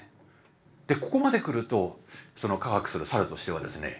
ここまで来ると「科学する猿」としてはですね